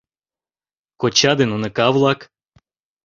КОЧА ДЕН УНЫКА-ВЛАК